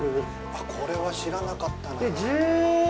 あっ、これは知らなかったなぁ。